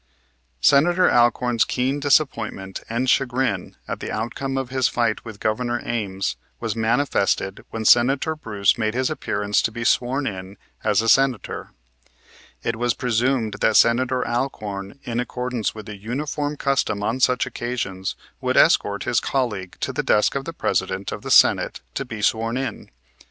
Senator Alcorn's keen disappointment and chagrin at the outcome of his fight with Governor Ames was manifested when Senator Bruce made his appearance to be sworn in as a Senator. It was presumed that Senator Alcorn, in accordance with the uniform custom on such occasions, would escort his colleague to the desk of the President of the Senate to be sworn in.